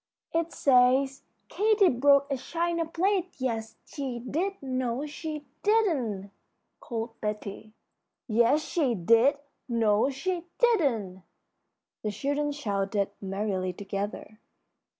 '" "It says, 'Katy broke a china plate; yes, she did; no, she didn't,'" called Betty. "Yes, she did; no, she didn't!" the children shouted, merrily, together.